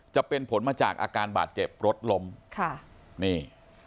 จะเป็นผลมาจากอาการบาดเจ็บรถล้มค่ะนี่